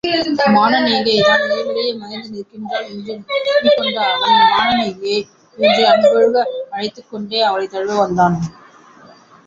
மானனீகைதான் இருளிடையே மறைந்து நிற்கின்றாள் என்றெண்ணிக் கொண்ட அவன், மானனிகை! என்று அன்பொழுக அழைத்துக்கொண்டே அவளைத் தழுவ வந்தான்.